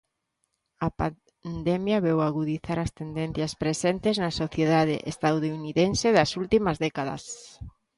A pandemia veu agudizar as tendencias presentes na sociedade estadounidense das últimas décadas.